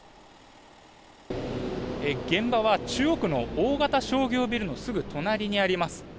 現場は中央区の大型商業ビルのすぐ隣にあります。